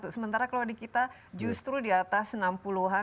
sementara kalau di kita justru di atas enam puluh an